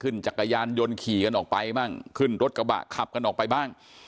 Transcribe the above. จักรยานยนต์ขี่กันออกไปบ้างขึ้นรถกระบะขับกันออกไปบ้าง